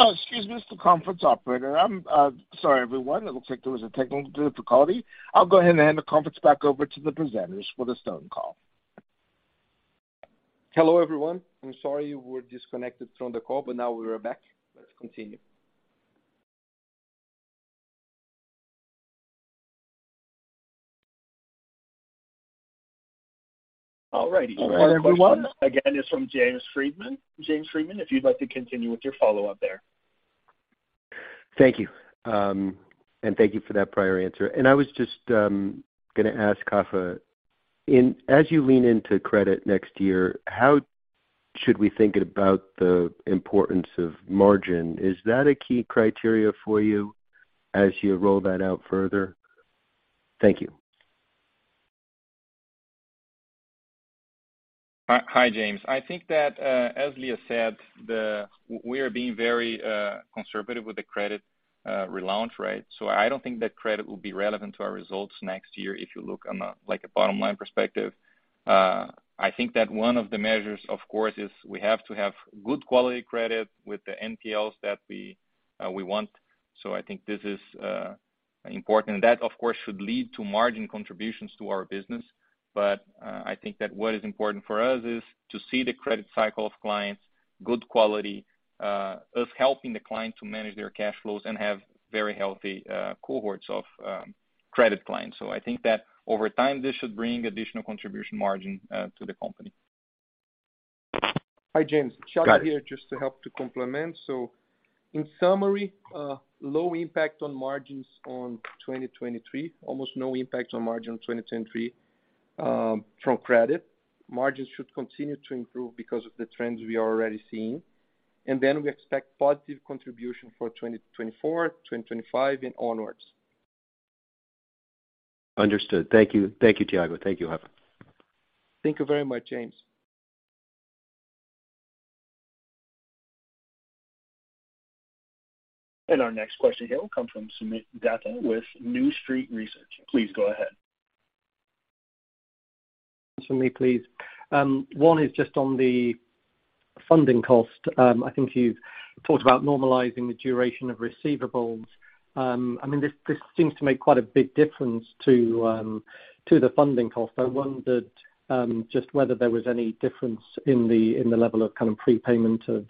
Excuse me. It's the conference operator. Sorry, everyone. It looks like there was a technical difficulty. I'll go ahead and hand the conference back over to the presenters for the Stone call. Hello, everyone. I'm sorry you were disconnected from the call, but now we are back. Let's continue Next question, again, is from James Friedman. James Friedman, if you'd like to continue with your follow-up there. Thank you. Thank you for that prior answer. I was just going to ask Rafa, as you lean into credit next year, how should we think about the importance of margin? Is that a key criteria for you as you roll that out further? Thank you. Hi, James. I think that, as Lia said, we are being very conservative with the credit relaunch, right? I don't think that credit will be relevant to our results next year if you look on a, like, a bottom line perspective. I think that one of the measures, of course, is we have to have good quality credit with the NPLs that we want. I think this is important. That, of course, should lead to margin contributions to our business. I think that what is important for us is to see the credit cycle of clients, good quality, us helping the client to manage their cash flows and have very healthy cohorts of credit clients. I think that over time, this should bring additional contribution margin to the company. Hi, James. Thiago here just to help to complement. In summary, low impact on margins on 2023. Almost no impact on margin on 2023 from credit. Margins should continue to improve because of the trends we are already seeing. We expect positive contribution for 2024, 2025 and onwards. Understood. Thank you. Thank you, Thiago. Thank you, Rafa. Thank you very much, James. Our next question here will come from Soomit Datta with New Street Research. Please go ahead. For me, please. One is just on the funding cost. I think you've talked about normalizing the duration of receivables. I mean, this seems to make quite a big difference to the funding cost. I wondered just whether there was any difference in the level of kind of prepayment of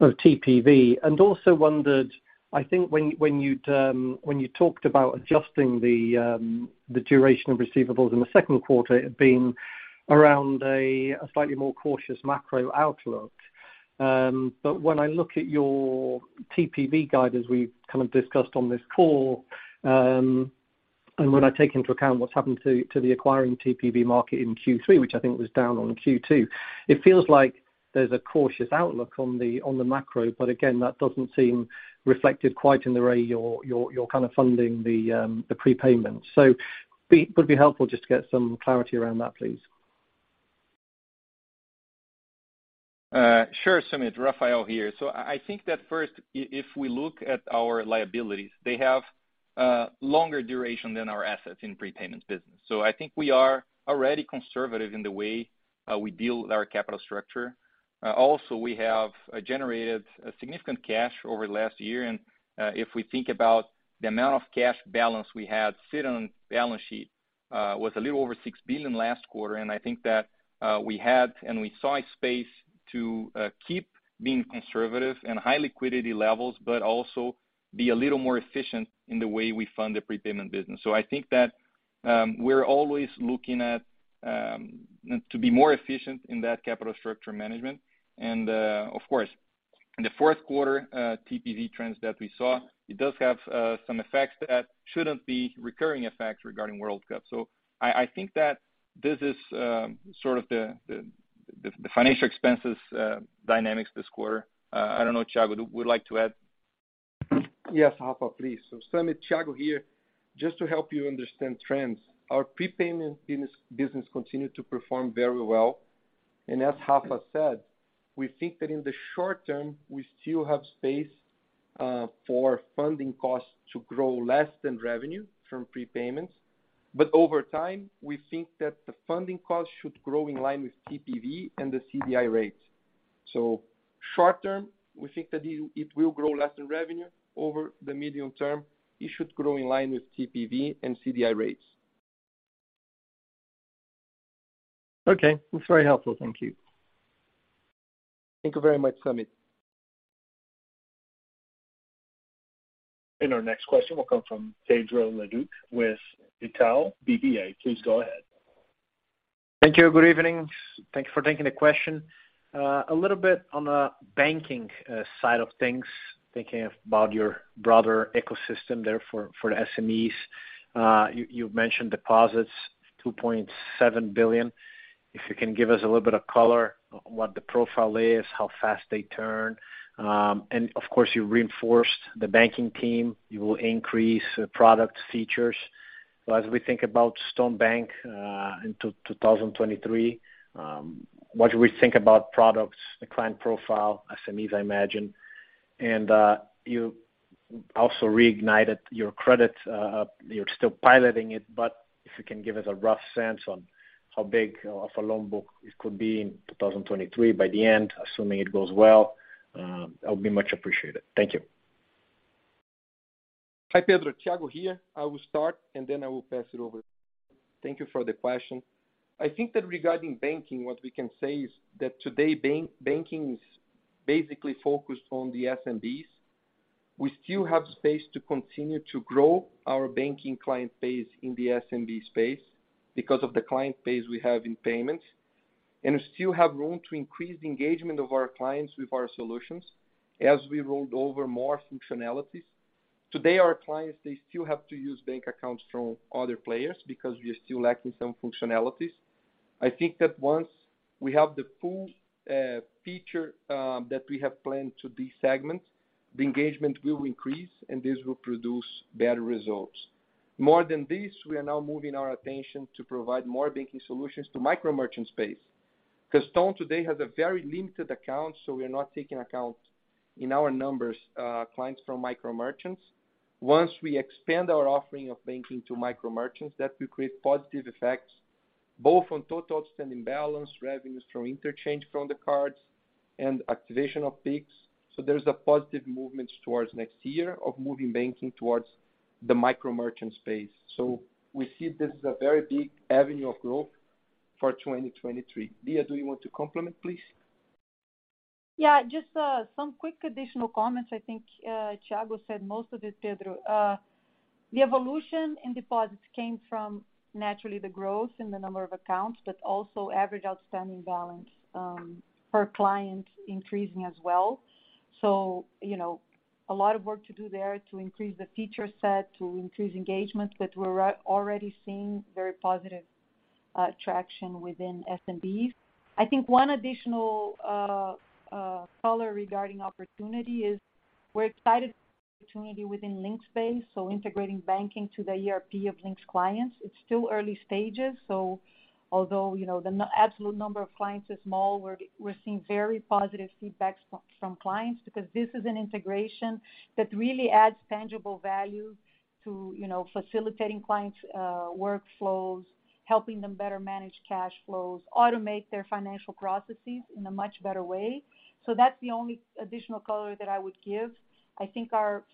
TPV. Also wondered, I think when you talked about adjusting the duration of receivables in the second quarter, it had been around a slightly more cautious macro outlook. When I look at your TPV guide, as we've kind of discussed on this call, and when I take into account what's happened to the acquiring TPV market in Q3, which I think was down on Q2, it feels like there's a cautious outlook on the macro. Again, that doesn't seem reflected quite in the way you're kind of funding the prepayment. Would be helpful just to get some clarity around that, please. Sure, Soomit. Rafael here. I think that first if we look at our liabilities, they have longer duration than our assets in prepayment business. I think we are already conservative in the way we deal with our capital structure. Also, we have generated a significant cash over the last year. If we think about the amount of cash balance we had sit on balance sheet, was a little over 6 billion last quarter. I think that we had and we saw a space to keep being conservative and high liquidity levels, but also be a little more efficient in the way we fund the prepayment business. I think that we're always looking at to be more efficient in that capital structure management. Of course, in the fourth quarter, TPV trends that we saw, it does have some effects that shouldn't be recurring effects regarding World Cup. I think that this is sort of the financial expenses dynamics this quarter. I don't know, Thiago, would you like to add? Yes, Rafa, please. Soomit, Thiago here. Just to help you understand trends, our prepayment business continued to perform very well. As Rafa said, we think that in the short-term, we still have space for funding costs to grow less than revenue from prepayments. Over time, we think that the funding costs should grow in line with TPV and the CDI rate. Short-term, we think that it will grow less than revenue. Over the medium-term, it should grow in line with TPV and CDI rates. Okay. That's very helpful. Thank you. Thank you very much, Soomit. Our next question will come from Pedro Leduc with Itaú BBA. Please go ahead. Thank you. Good evening. Thank you for taking the question. A little bit on the banking side of things, thinking about your broader ecosystem there for the SMEs. You've mentioned deposits, 2.7 billion. If you can give us a little bit of color on what the profile is, how fast they turn. Of course, you reinforced the banking team. You will increase product features. As we think about Stone Bank in 2023, what do we think about products, the client profile, SMEs, I imagine? You also reignited your credit. You're still piloting it, but if you can give us a rough sense on how big of a loan book it could be in 2023 by the end, assuming it goes well, that would be much appreciated. Thank you. Hi, Pedro. Thiago here. I will start, and then I will pass it over. Thank you for the question. I think that regarding banking, what we can say is that today, banking is basically focused on the SMBs. We still have space to continue to grow our banking client base in the SMB space because of the client base we have in payments. We still have room to increase the engagement of our clients with our solutions as we roll out more functionalities. Today our clients, they still have to use bank accounts from other players because we are still lacking some functionalities. I think that once we have the full feature that we have planned to these segments, the engagement will increase and this will produce better results. More than this, we are now moving our attention to provide more banking solutions to micro merchant space. Because Stone today has a very limited account, so we are not taking account in our numbers clients from micro merchants. Once we expand our offering of banking to micro merchants, that will create positive effects both on total outstanding balance, revenues from interchange from the cards and activation of Pix. There's a positive movement towards next year of moving banking towards the micro merchant space. We see this is a very big avenue of growth for 2023. Lia, do you want to complement please? Yeah, just some quick additional comments. I think Thiago said most of it, Pedro. The evolution in deposits came from naturally the growth in the number of accounts, but also average outstanding balance per client increasing as well. You know, a lot of work to do there to increase the feature set, to increase engagement. We're already seeing very positive traction within SMBs. I think one additional color regarding opportunity is we're excited opportunity within Linx space, so integrating banking to the ERP of Linx clients. It's still early stages, so although, you know, the absolute number of clients is small, we're seeing very positive feedback from clients because this is an integration that really adds tangible value to, you know, facilitating clients' workflows, helping them better manage cash flows, automate their financial processes in a much better way. That's the only additional color that I would give. I think our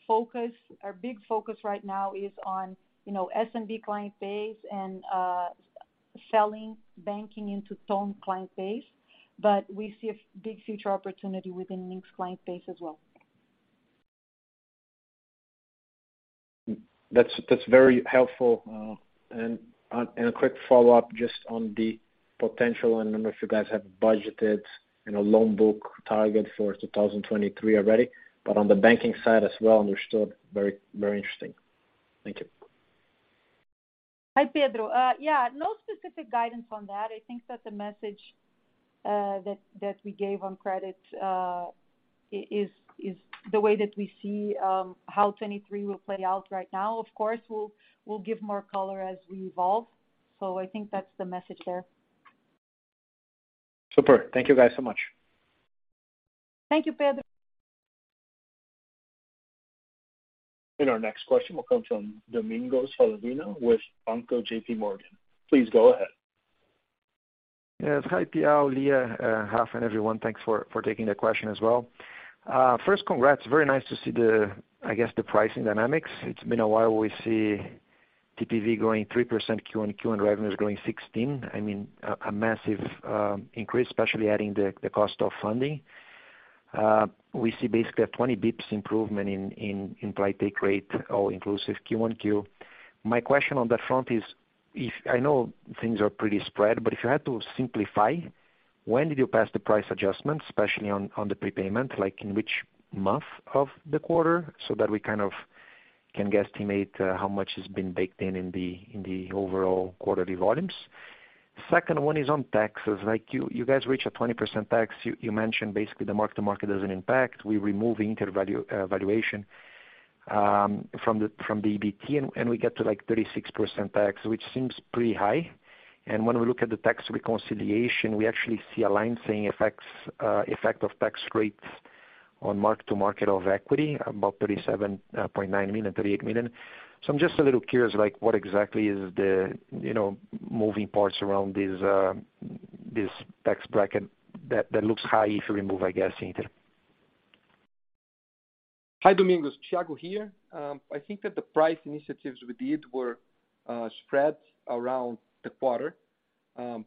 big focus right now is on, you know, SMB client base and selling banking into Ton client base. We see a big future opportunity within Linx client base as well. That's very helpful. A quick follow-up just on the potential. I don't know if you guys have budgeted in a loan book target for 2023 already, but on the banking side as well understood. Very interesting. Thank you. Hi, Pedro. Yeah, no specific guidance on that. I think that the message that we gave on credit is the way that we see how 2023 will play out right now. Of course, we'll give more color as we evolve. I think that's the message there. Super. Thank you guys so much. Thank you, Pedro. Our next question will come from Domingos Falavina with Banco JPMorgan. Please go ahead. Yes. Hi, Piau, Lia, Rafael and everyone. Thanks for taking the question as well. First congrats. Very nice to see the, I guess, the pricing dynamics. It's been a while we see TPV growing 3% quarter-over-quarter and revenues growing 16%. I mean, a massive increase, especially adding the cost of funding. We see basically a 20 basis points improvement in price take rate, all-inclusive, quarter-over-quarter. My question on that front is, if I know things are pretty spread, but if you had to simplify, when did you pass the price adjustment, especially on the prepayment, like in which month of the quarter, so that we kind of can guesstimate how much has been baked in the overall quarterly volumes? Second one is on taxes. Like you guys reach a 20% tax. You mentioned basically the mark-to-market doesn't impact. We remove the Inter valuation from the EBT and we get to like 36% tax, which seems pretty high. When we look at the tax reconciliation, we actually see a line saying effect of tax rates on mark-to-market of equity, about 37.9 million, 38 million. I'm just a little curious, like what exactly is the, you know, moving parts around this tax bracket that looks high if you remove, I guess, Inter. Hi, Domingos. Thiago here. I think that the price initiatives we did were spread around the quarter. I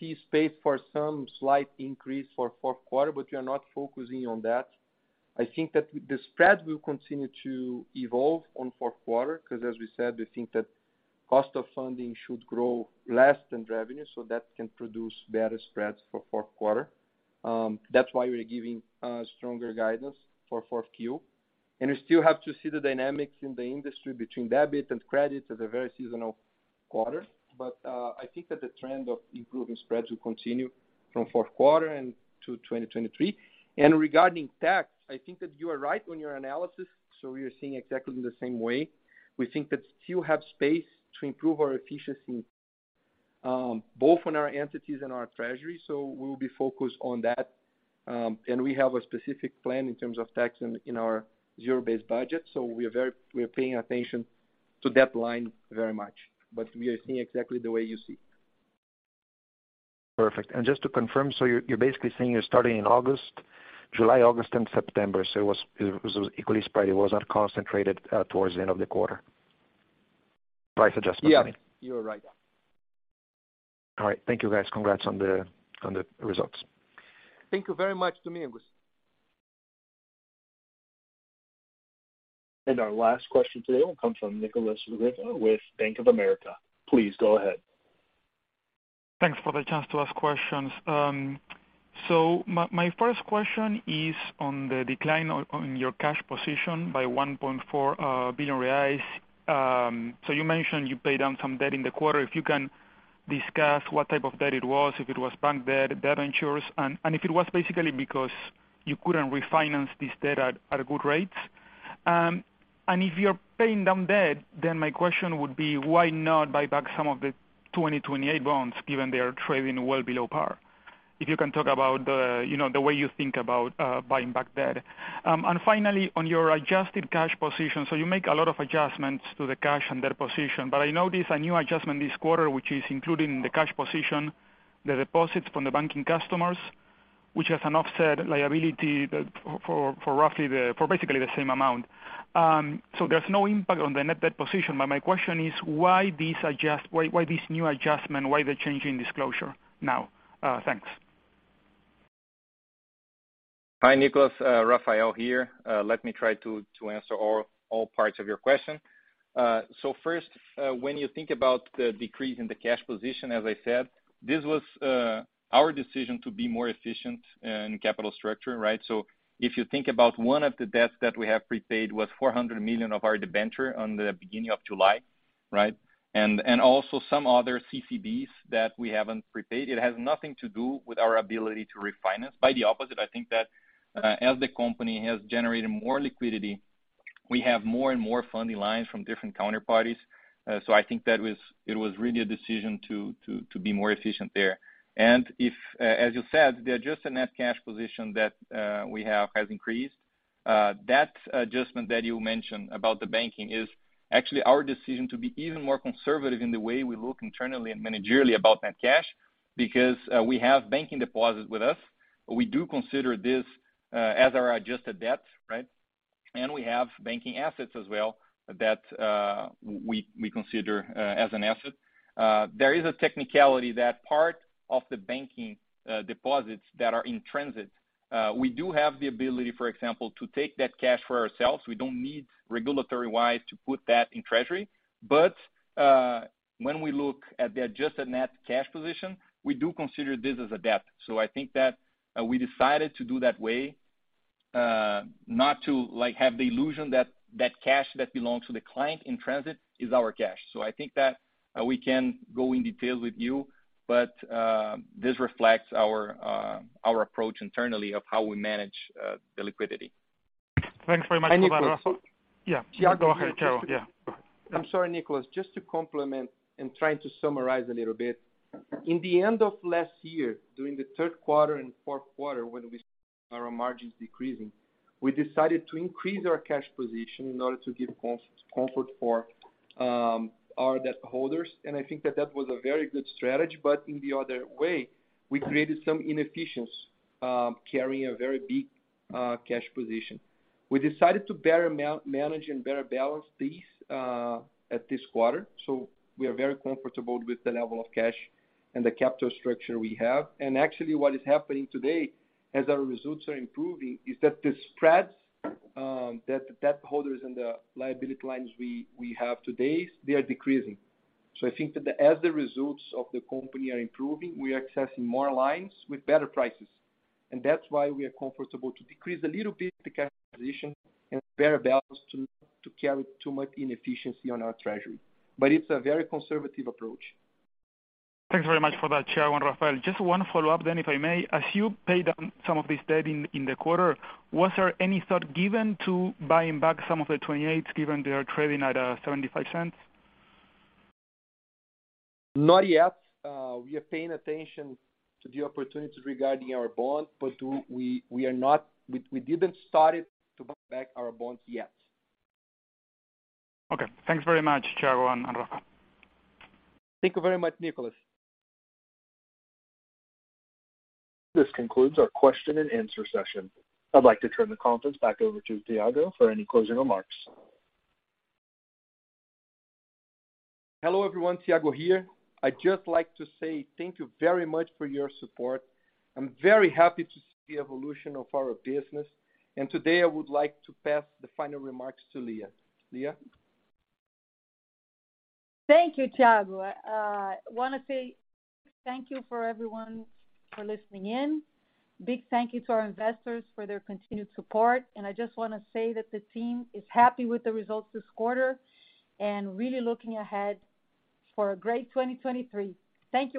see space for some slight increase for fourth quarter, but we are not focusing on that. I think that the spread will continue to evolve on fourth quarter, because as we said, we think that cost of funding should grow less than revenue, so that can produce better spreads for fourth quarter. That's why we're giving stronger guidance for 4Q. We still have to see the dynamics in the industry between debit and credit as a very seasonal quarter. I think that the trend of improving spreads will continue from fourth quarter and to 2023. Regarding tax, I think that you are right on your analysis, so we are seeing exactly the same way. We think that still have space to improve our efficiency, both on our entities and our treasury. We'll be focused on that. We have a specific plan in terms of tax in our zero-based budget. We're paying attention to that line very much. We are seeing exactly the way you see. Perfect. Just to confirm, so you're basically saying you're starting in August, July, August and September. It was equally spread. It wasn't concentrated towards the end of the quarter. Price adjustment, I mean. Yeah. You are right. All right. Thank you guys. Congrats on the results. Thank you very much, Domingos. Our last question today will come from [Nicholas Balta] with Bank of America. Please go ahead. Thanks for the chance to ask questions. My first question is on the decline on your cash position by 1.4 billion reais. You mentioned you paid down some debt in the quarter. If you can discuss what type of debt it was, if it was bank debt, debentures, and if it was basically because you couldn't refinance this debt at good rates. If you're paying down debt, then my question would be, why not buy back some of the 2028 bonds given they are trading well below par? If you can talk about the, you know, the way you think about buying back debt. Finally, on your adjusted cash position. You make a lot of adjustments to the cash and debt position, but I notice a new adjustment this quarter, which is including the cash position, the deposits from the banking customers, which has an offset liability for basically the same amount. There's no impact on the net debt position, but my question is, why this new adjustment, why the change in disclosure now? Thanks. Nicholas, Rafael here. Let me try to answer all parts of your question. First, when you think about the decrease in the cash position, as I said, this was our decision to be more efficient in capital structure, right? If you think about one of the debts that we have prepaid was 400 million of our debenture on the beginning of July, right? Also some other CCBs that we haven't prepaid. It has nothing to do with our ability to refinance. Quite the opposite, I think that as the company has generated more liquidity, we have more and more funding lines from different counterparties. I think it was really a decision to be more efficient there. If, as you said, the adjusted net cash position that we have has increased. That adjustment that you mentioned about the banking is actually our decision to be even more conservative in the way we look internally and managerially about net cash, because we have banking deposits with us. We do consider this as our adjusted debt, right? We have banking assets as well that we consider as an asset. There is a technicality that part of the banking deposits that are in transit, we do have the ability, for example, to take that cash for ourselves. We don't need regulatory-wise to put that in treasury. When we look at the adjusted net cash position, we do consider this as a debt. I think that we decided to do that way, not to, like, have the illusion that cash that belongs to the client in transit is our cash. I think that we can go in detail with you, but this reflects our approach internally of how we manage the liquidity. Thanks very much for that, Rafael. Yeah. Thiago here. I'm sorry, Nicholas. Just to complement and trying to summarize a little bit. In the end of last year, during the third quarter and fourth quarter, when our margins decreasing, we decided to increase our cash position in order to give comfort for our debtholders. I think that was a very good strategy. In the other way, we created some inefficiencies, carrying a very big cash position. We decided to better manage and better balance these at this quarter. We are very comfortable with the level of cash and the capital structure we have. Actually, what is happening today, as our results are improving, is that the spreads that the debtholders and the liability lines we have today, they are decreasing. I think that as the results of the company are improving, we are accessing more lines with better prices. That's why we are comfortable to decrease a little bit the cash position and better balance to carry too much inefficiency on our treasury. It's a very conservative approach. Thanks very much for that, Thiago and Rafael. Just one follow-up then, if I may. As you pay down some of this debt in the quarter, was there any thought given to buying back some of the 2028s, given they are trading at 0.75? Not yet. We are paying attention to the opportunities regarding our bond. We didn't start it to buy back our bonds yet. Okay. Thanks very much, Thiago and Rafael. Thank you very much, Nicholas. This concludes our question-and-answer session. I'd like to turn the conference back over to Thiago for any closing remarks. Hello, everyone, Thiago here. I'd just like to say thank you very much for your support. I'm very happy to see evolution of our business. Today I would like to pass the final remarks to Lia. Lia? Thank you, Thiago. want to say thank you for everyone for listening in. Big thank you to our investors for their continued support. I just want to say that the team is happy with the results this quarter and really looking ahead for a great 2023. Thank you.